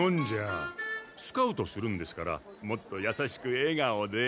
スカウトするんですからもっとやさしくえがおで。